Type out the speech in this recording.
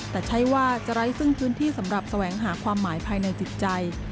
แต่ใช้ว่าจะไร้ซึ่งพื้นที่สำหรับแสวงหาความหมายภายในจิตใจ